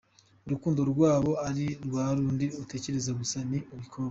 Urukundo ntabwo ari rwa rundi utekereza gusa, ni ibikorwa.